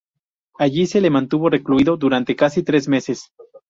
Allí se le mantuvo recluido durante casi tres meses.